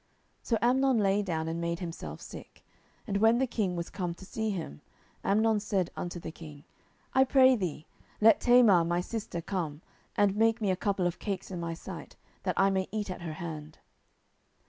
10:013:006 So Amnon lay down, and made himself sick: and when the king was come to see him, Amnon said unto the king, I pray thee, let Tamar my sister come, and make me a couple of cakes in my sight, that I may eat at her hand.